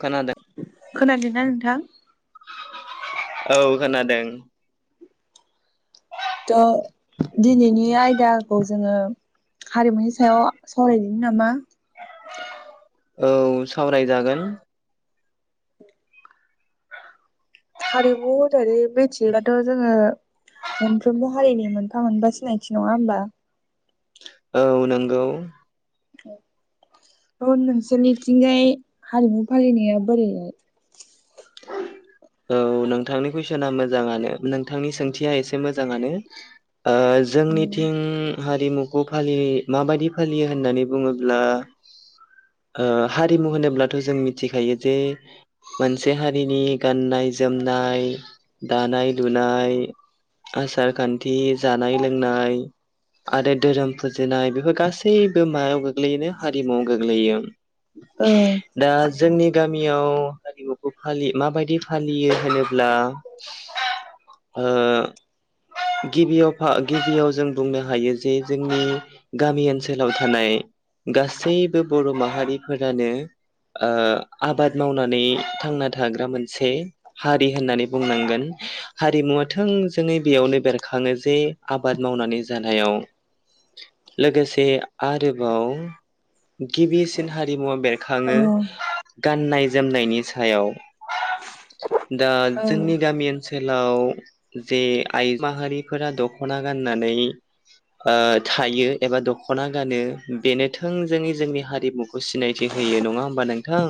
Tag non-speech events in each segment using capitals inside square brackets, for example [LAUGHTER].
खोनादों खोनादोंना नोंथां? औ खोनादों थ' दिनैनि आयदाखौ जोङो हारिमुनि सायाव सावरा नामा औ सावरायजागोन। हारिमु होननानै मिथियोबाथ' जोङो मोनफ्रोमबो हारिनि मोनफा मोनफा सिनायथि नङा होमबा? औ नंगौ। औ थ' नोंसोरनिथिंजाय हारिमु फालिनाया बोरैहाय? औ नोंथांनि कुइसना मोजाङानो नोंथांनि सोंथिया एसे मोजाङानो। ओ जोंनिथिं औ हारिमुखौ फालियो माबायदि फालियो होननानै बुङोब्ला ओ हारिमु होनोब्लाथ' जों मिथिखायो जे मोनसे हारिनि गाननाय जोमनाय दानाय लुनाय आसार खानथि जानाय लोंनाय आरो धोरोम फुजिनाय बेफोर गासैबो मायाव गोग्लैयोनो हारिमुवाव गोग्लैयो। दा जोंनि गामि याव हारिमुखौ फालि माबायदि फालियो होनोब्ला ओ गिबियाव फा गिबियाव जों बुंनो हायो जे जोंनि गामि ओनसोलाव थानाय गासैबो बर' माहा हारिफोरानो ओ आबाद मावनानै थांना थाग्रा मोनसे हारि होननानै बुंनांगोन हारिमुवा थोंजोङै बेयावनो बेरखाङो जे आबाद मावनानै जानायाव लोगोसे आरोबाव गिबि हारिमुवा बेर औ खाङो। गाननाय जोमनायनि सायाव। दा औ जोंनि गामि सोलाव जे आइजो माहारिफोरा दख'ना गाननानै ओ थायो एबा दख'ना गानो बेनो थोंजोङै जोंनि हारिमु सिनायथि होयो नङा होमबा नोंथां?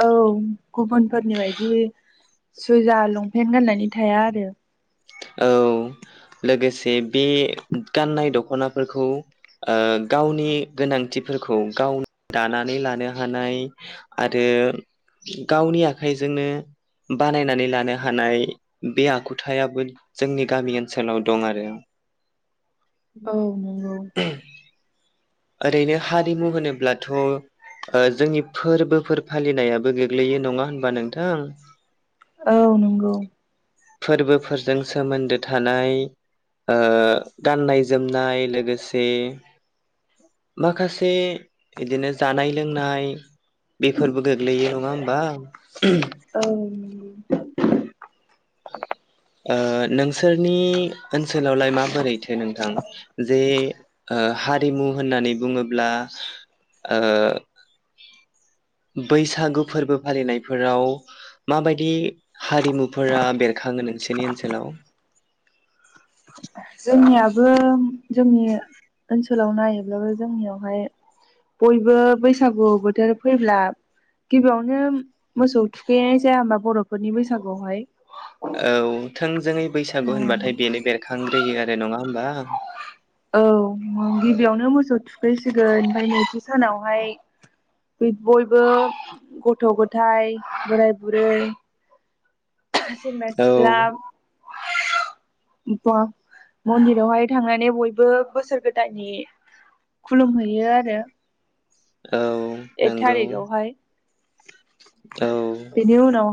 औ गुबुनफोरनि बायदि सुइजार लंपेन्ट गाननाय थाया आरो। औ लोगोसे बे गाननाय दख'नाफोरखौ ओ गावनि गोनांथिफोरखौ गावनो दानानै लानो हानाय आरो गावनि आखाइजोंनो बानायनानै लानो हानाय बे आखुथायाबो जोंनि गामि ओनसोलाव दं आरो औ नंगौ। ओरैनो हारिमु होनोब्लाथ' ओ जोंनि फोरबोफोर फालिनायाबो गोग्लैयो नङा होनबा नोंथां? औ नंगौ। फोरबोफोरजों सोमोन्दो थानाय ओ गाननाय जोमनाय लोगोसे माखासे बिदिनो जानाय लोंनाय बेफोरबो गोग्लैयो नङा होमबा? औ [INAUDIBLE] ओ नोंसोरनि ओनसोलावलाय माबोरैथो नोंथां जे ओ हारिमु होननानै बुङोब्ला ओ बैसागु फोरबो फालिनायफोराव माबायदि हारिमुफोरा बेरखाङो नों सिनि ओनसोलाव। जोंनियाबो जोंनि ओनसोलाव नायोब्लाबो जोंनियावहाय बयबो बैसागु बोथोर फैब्ला गिबियावनो मोसौ थुखैनाय जाया होमबा बर'फोरनि बैसागुवावहाय। औ थोंजोङै बैसागु होनबाथाय बेनो बेरखांग्रोयो आरो नङा होमबा? [INAUDIBLE] औ गिबियावनो मोसौ थुखैसिगोन ओमफाय नैथि सानावहाय बयबो गथ' गथायाइ बोराय बुरै जसेंग्रा औ सिख्ला बा मन्दिरावहाय थांनानै बयबो बोसोर गोदाननि खुलुमहैयो आरो औ एक नंगौ थारिगावहाय औ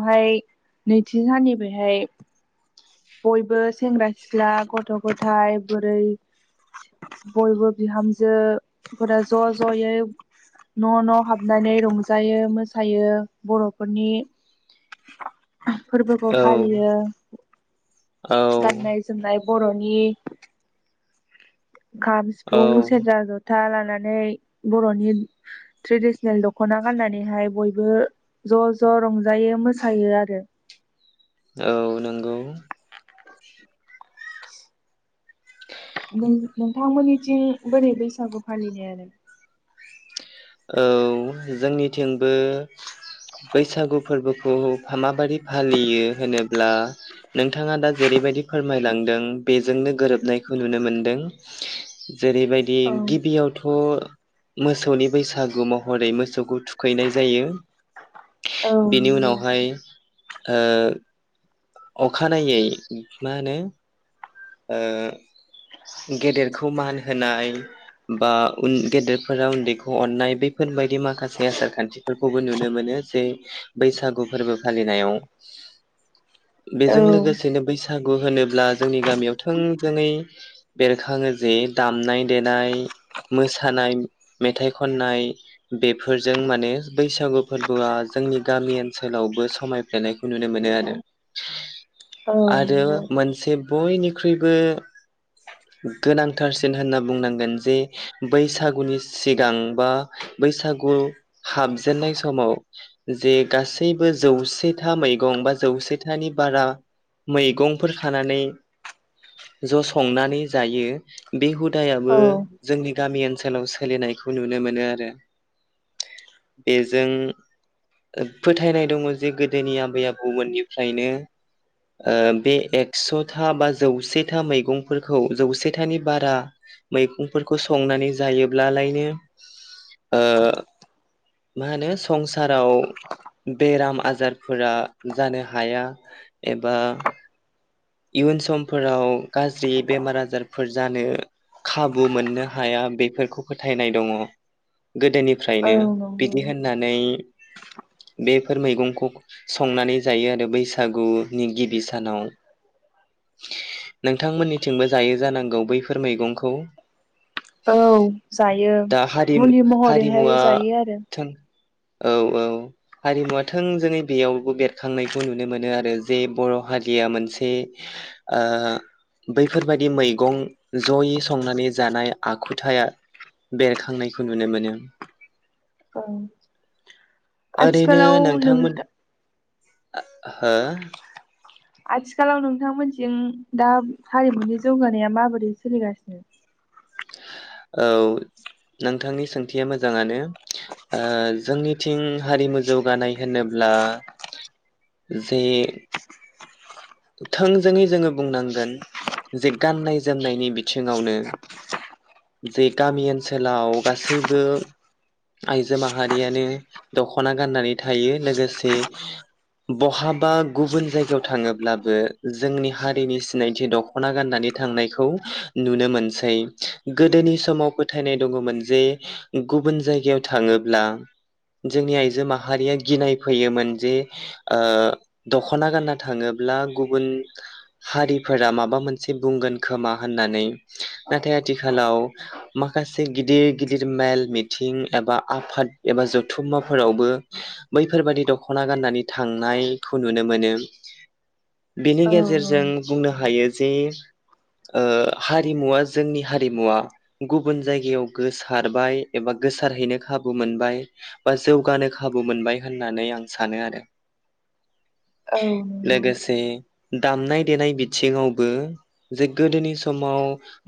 बेहाय नैथि साननि बेहाय बयबो सेंग्रा सिख्ला गथ' गथाय बोरै बयबो बिहामजोफोरा ज' ज'यै न' न' हाबनानै रंजायो मोसायो बर'फोरनि फोरबोखौ औ फालियो औ होब बर'नि खाम औ सिफुं सेरजा जथा लानानै गाननानै बर'नि ट्रेडिसनेल दख'ना गाननानैहाय बयबो ज' ज' रंजायो मोसायो आरो औ नंगौ नों नोंथांमोननिथिं बोरै बैसागु फालिनाय आरो औ जोंनिथिंबो बैसागु फोरबोखौ फामा माबादि फालियो होनोब्ला नोंथाङा दा जेरैबायदि फोरमायलांदों बेजोंनो गोरोबनायखौ नुनो मोनदों जेरैबायदि औ गिबियावथ' मोसौनि बैसागु महरै मोसौखौ थुखैनाय जायो औ बेनि नंगौ उनावहाय ओ अखानायै मा होनो ओ गेदेरखौ मान होनाय बा उन गेदेरफोरा उन्दैखौ अननाय बैफोरबायदि माखासे आसार खान्थिफोरखौबो नुनो मोनो जे बैसागु फोरबो फालिनायाव औ बेजों लोगोसेनो बैसाग बैसागु होनोब्ला जोंनि गामियाव थोंजोङै बेरखाङो जे दामनाय देनाय मोसानाय मेथाइ खननाय बेफोरजों माने बैसागु फोरबोआ जोंनि गामि ओनसोलावबो समायफ्लेनायखौ नुनो मोनो आरो औ आरो नंगौ मोनसे बयनि ख्रुइबो गोनांथारसिन होनना बुंनांगोन जे बैसागुनि सिग गां बा बैसागु हाबजेननाय समाव जे गासैबो जौसेथा मैगं बा जौसेथानि बारा मैगंफोर खानानै ज' संनानै जायो बे हुदा दायाबो औ जोंनि गामि ओनसोलाव सोलिनाय खौ नुनो मोनो आरो बेजों फोथायनाय दङ जे गोदोनि आबै आबौमोननिफ्रायनो ओ बे एक्स'था बा जौसेथा मैगंफोरखौ जौसेथानि बारा मैगंफोरखौ संनानै जायोब्ला लायनो ओ मा होनो संसाराव बेराम आजारफोरा जानो हाया एबा इयुन समफोराव गाज्रि बेमार आजारफोर जानो खाबु मोननो हाया बेफोरखौ फोथायनाय दङ औ गोदोनिफ्रायनो नंगौ बिदि होननानै बेफोर मैगंखौ संनानै जायो आरो बैसागुनि गिबि सानाव नोंथांमोननिथिंबो जायो जानांगौ बैफोर मैगंखौ औ जायो। मुलि महरैहाय हारिमु-हारिमुआ जायो आरो थों औ औ हारिमुवा थोंजोङै बेयावबो बेरखांनायखौ नुनो मोनो आरो जे बर' हारिया मोनसे ओ बैफोरबायदि मैगं जयै संनानै जानाय आखुथाया बेरखांनायखौ नुनो मोनो। औ ओरैनो आथिखालाव नोंथांमोन नोंथा हो आथिखालाव नोंथांमोनथिं दा हारिमुनि जौगानाया माबोरै सोलिगासिनो? औ नोंथांनि सोंथिया मोजाङानो ओ जोंनिथिं हारिमु जौगानाय होनोब्ला जे थोंजोङै जोङो बुंनांगोन जे गाननाय जोमनायनि बिथिङावनो जे गामि ओनसोलाव गासैबो आइजो माहारियानो दख'ना गाननानै थायो लोगोसे बहाबा गुबुन जायगायाव थाङोब्ला जोंनि हारिनि सिनायथि दख'ना गाननानै थांनायखौ नुनो मोनसै गोदोनि समाव फोथायनाय दङमोन जे गुबुन जायगायाव थाङोब्ला जोंनि आइजो माहारिया गिनाय फैयोमोन जे ओ दख'ना गानना थाङोब्ला गुबुन हारिफोरा माबा मोनसे बुंगोन खोमा होननानै नाथाय आथिखालाव माखासे गिदिर गिदिर मेल मिथिं एबा आफाद एबा जथुम्बाफोरावबो बैफोरबादि दख'ना गाननानै थांनायखौ नुनो मोनो। बिनि औ औ गेजेरजों बुंनो हायो जे ओ हारिमुवा जोंनि हारिमुवा गुबुन जायगायाव गोसारबाय एबा गोसारहैनो खाबु मोनबाय बा जौगानो खाबु मोनबाय होननानै आं सानो आरो औ नंगौ लोगोसे दामनाय देनाय बिथिङावबो जे गोदोनि समाव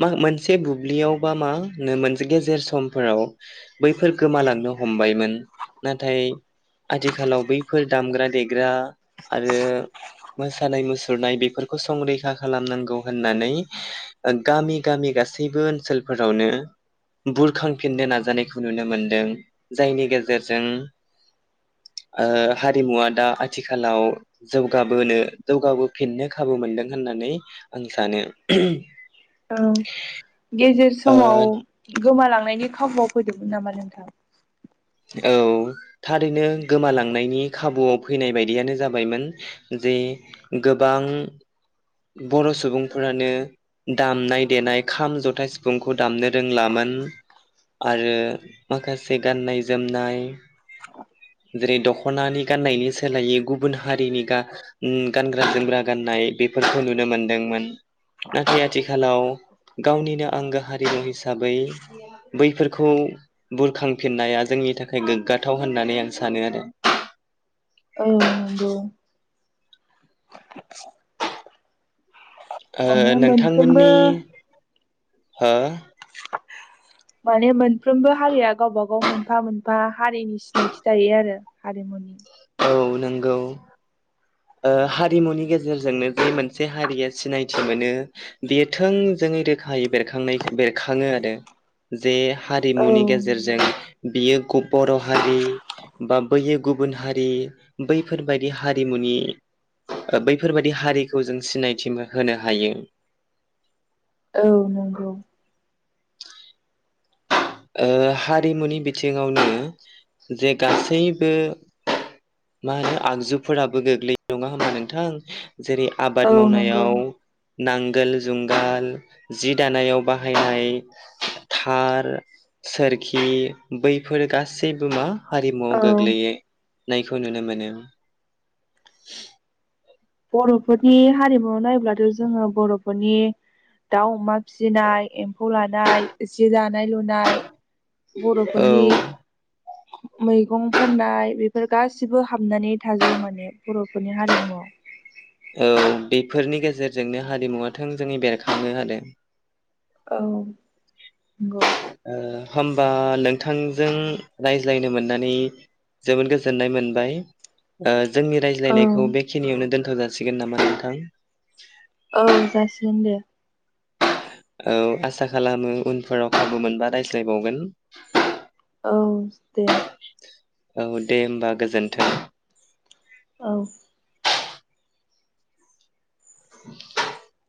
मा मोनसे बुब्लियाव बा मा नो मोनसे गेजेर समफोराव बैफोर गोमालांनो हमबायमोन नाथाय आथिखालाव बैफोर दामग्रा देग्रा आरो मोस सानाय मुसुरनाय बेफोरखौ संरैखा खालामनांगौ होननानै गामि गामि गासैबो ओनसोलफोरावनो बुरखांफिननो नाजानायखौ नुनो मोनदों जायनि गेजेरजों ओ हारिमुवा दा आथिखालाव जौगाबोनो जौगाबोफिननो खाबु मोनदों होननानै आं सानो औ गेजेर ओ समाव गोमालां नायनि खाबुआव फैदोंमोन नामा नोंथां? औ थारैनो गोमालांनायनि खाबुआव फैनाय बायदियानो जाबायमोन जे गोबां बर' सुबुंफोरानो दामनाय देनाय खाम, जथा, सिफुंखौ दामनो रोंलामोन आरो माखासे गान्नाय जोमनाय जेरै दखनानि गनायनि सोलायै गुबुन हारिनि गा उम गानग्रा जोमग्रा गाननाय बेफोरखौ नुनो मोनदोंमोन नाथाय आथिखालाव गावनिनो आंगो हारिमु हिसाबै बैफोरखौ बुरखांफिननाया जोंनि थाखाय गोग्गाथाव होननानै आं सानो आरो औ नंगौ ओ माने मोनफ्रोमबो नोंथांमोननि हो माने मोनफ्रोमबो हारिया गावबा गाव मोनफा मोनफा हारिनि सिनायथि थायो आरो हारिमुनि [UNINTELLIGIBLE] ओ हारिमुनि गेजेरजोंनो जे मोनसे हारिया सिनायथि मोनो बेयो थोंजोङै रोखायै बेरखांनाय बेरखाङो आरो जे औ हारिमुनि गेजेरजों नंगौ बियो गुब बर' हारि बा बैयो गुबुन हारि बैफोरबायाददि हारिमुनि ओ बैफोरबादि हारिखौ जों सिनायथि मो होनो हायो। औ नंगौ ओ हारिमुनि बिथिङावनो जे गासैबो मा होनो आगजुफोराबो गोग्लै नङा होमबा नोंथां जेरै औ आबाद नंगौ मावनायाव नांगोल जुंगाल जि दानायाव बाहायनाय थार सोरखि बैफोर गासैबो मा औ हारिमगगोलयो नायखौ नुनो मोनो बर'फोरनि हारिमुाव नाब्लाथ' जोङो बर'फोरनि दाउ अमा फिसिनाय एम्फौ लानाय जि दानाय लुनाय औ बर'फोरनि मैगं फाननाय बेफोर गासिबो हाबनानै थाजोबो माने बर'फोरनि हारिमुवआव औ बेफोरनि गेजेरजोंनो हारिमुवा थोंजोंङै बेरखांनो हादों औ नंगौ होमबा नोंथांजों रायज्लायनो मोननानै जोबोद गोजोननाय मोनबाय ओ जोंनि औ रायज्लायनायखौ बेखिनियावनो दोन होजासिगोन नामा नोंथां औ जासिगोन दे औ आसा खालामो उनफोराव खाबु मोनबा रायज्लायबावगोन औ दे औ दे होमबा गोजोन्थों औ [INAUDIBLE]